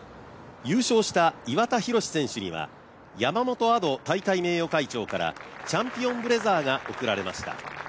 優勝した岩田寛選手には山本大会名誉会長からチャンピオンブレザーが贈られました。